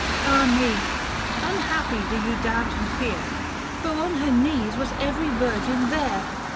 Ah me ! unhappy do you doubt and fear, For on her knees was every virgin there.